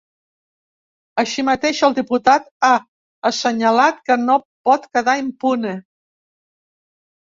Així mateix, el diputat ha assenyalat que no pot quedar impune.